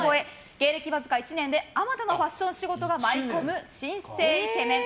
芸歴わずか１年であまたのファッション仕事が舞い込む、新星イケメン。